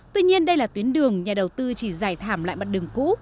tuy nhiên đây là tuyến đường nhà đầu tư chỉ dài thảm lại bắt đường cũ